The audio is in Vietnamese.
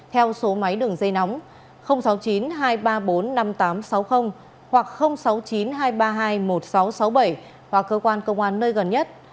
theo số máy đường dây nóng sáu mươi chín hai trăm ba mươi bốn năm nghìn tám trăm sáu mươi hoặc sáu mươi chín hai trăm ba mươi hai một nghìn sáu trăm sáu mươi bảy hoặc cơ quan công an nơi gần nhất